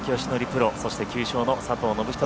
プロそして９勝の佐藤信人